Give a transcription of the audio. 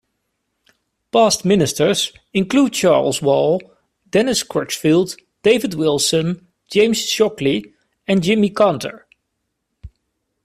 Past Ministers include Charles Wall, Dennis Crutchfield, David Wilson, James Shockley and Jimmy Canter.